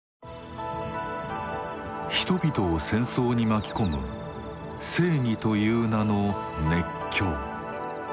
人々を戦争に巻き込む正義という名の「熱狂」。